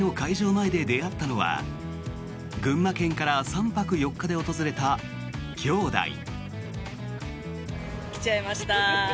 前で出会ったのは群馬県から３泊４日で訪れたきょうだい。